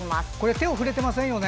手を触れてませんよね。